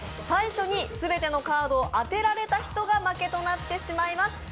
最初に全てのカードを当てられた人が負けとなってしまいます。